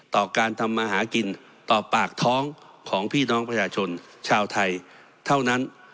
ต่อการทำมาหากินต่อปากท้องของพี่น้องประชาชนชาวไทยเท่านั้น